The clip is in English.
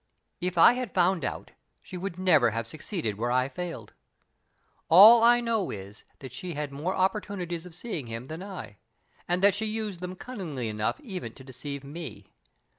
"If I had found out, she would never have succeeded where I failed. All I know is, that she had more opportunities of seeing him than I, and that she used them cunningly enough even to deceive me.